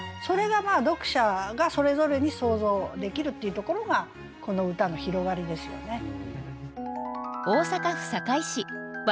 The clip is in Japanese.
それが読者がそれぞれに想像できるっていうところがこの歌の広がりですよね。